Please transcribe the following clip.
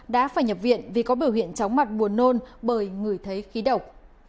đã phải nhập viện vì có biểu hiện chóng mặt buồn nôn bởi ngửi thấy khí độc